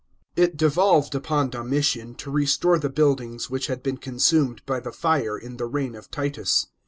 § 22. It devolved upon Domitian to restore the buildings which had been consumed by the fire in the reign of Titus.